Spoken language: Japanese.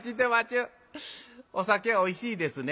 お酒おいしいですね。